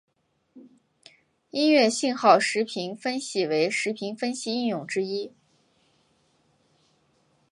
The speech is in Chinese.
音乐信号时频分析为时频分析应用之一。